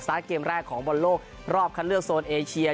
สตาร์ทเกมแรกของบนโลกรอบคันเลือกโซนเอเชีย